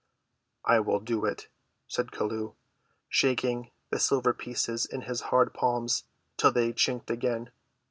"I will do it," said Chelluh, shaking the silver pieces in his hard palms till they chinked again.